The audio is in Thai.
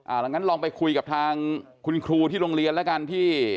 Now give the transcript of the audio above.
อย่างนั้นลองไปคุยกับทางคุณครูที่โรงเรียนแล้วกันที่